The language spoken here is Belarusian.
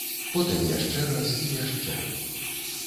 Потым яшчэ раз, і яшчэ.